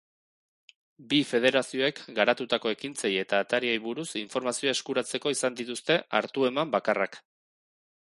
Bi federazioek garatutako ekintzei eta atariei buruz informazioa eskuratzeko izan dituzte hartu-eman bakarrak.